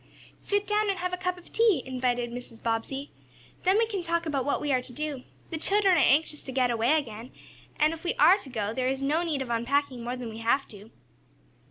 "Sit down and have a cup of tea," invited Mrs. Bobbsey. "Then we can talk about what we are to do. The children are anxious to get away again, and if we are to go there is no need of unpacking more than we have to."